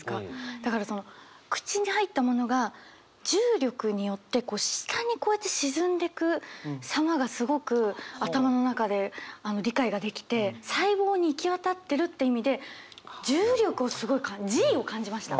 だからその口に入ったものが重力によって下にこうやって沈んでく様がすごく頭の中で理解ができて細胞に行き渡ってるって意味で重力をすごいＧを感じました！